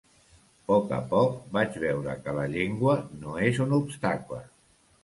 Poc a poc, vaig veure que la llengua no és un obstacle.